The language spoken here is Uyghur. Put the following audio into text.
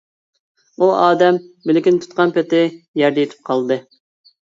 ئۇ ئادەم بىلىكىنى تۇتقان پېتى يەردە يېتىپ قالدى.